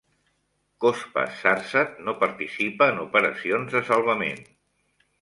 Cospas-Sarsat no participa en operacions de salvament.